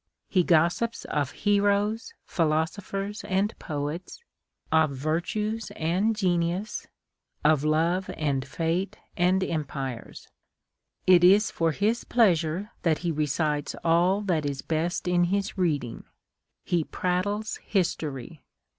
He gossips of heroes, philosophers, and poets ; of virtues and genius ; of love and fate and empires. It is for his pleasure that he recites all that is best in his reading: he prattles history.